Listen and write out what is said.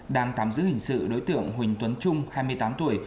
đang tạm giữ hình sự đối tượng huỳnh tuấn trung hai mươi tám tuổi